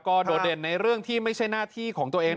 ก็โดดเด่นในเรื่องที่ไม่ใช่หน้าที่ของตัวเอง